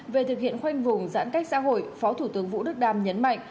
về thực hiện khoanh vùng giãn cách xã hội phó thủ tướng vũ đức đam nhấn mạnh